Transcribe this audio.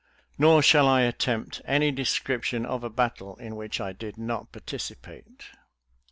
Nor shall I attempt any description of a battle in which I did not participate.